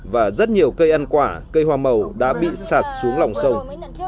và rất nhiều cây ăn quả cây hoa màu đã bị sạt xuống lòng sông